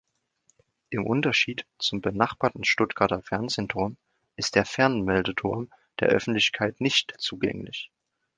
Im Unterschied zum benachbarten Stuttgarter Fernsehturm ist der Fernmeldeturm der Öffentlichkeit nicht zugänglich.